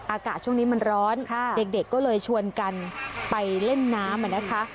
อากาศช่วงนี้มันร้อนเด็กก็เลยชวนกันไปเล่นน้ำนะคะ